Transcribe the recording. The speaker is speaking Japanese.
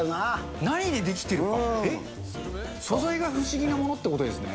素材が不思議なものってことですね。